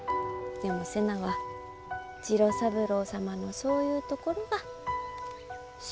でも瀬名は次郎三郎様のそういうところが好。